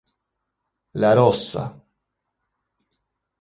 La rossa